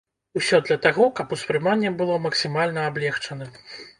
Усё для таго, каб успрыманне было максімальна аблегчаным.